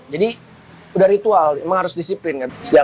jadi itu ritual emang harus disiplin